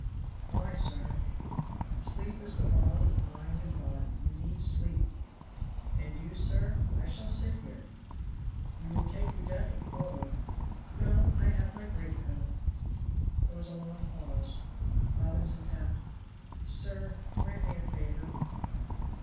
"Why, sir?" "Sleep is the balm of mind and body you need sleep." "And you, sir?" "I shall sit here." "You will take your death of cold." "No, I have my greatcoat." There was a long pause. Robinson tapped. "Sir, grant me a favor."